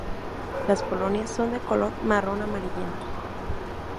Las polinias son de color marrón-amarillento.